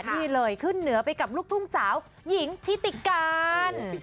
นี่เลยขึ้นเหนือไปกับลูกทุ่งสาวหญิงทิติการ